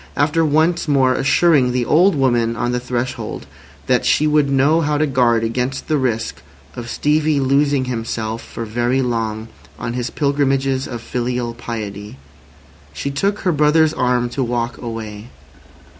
After once more assuring the old woman on the threshold that she would know how to guard against the risk of Stevie losing himself for very long on his pilgrimages of filial piety, she took her brother's arm to walk away.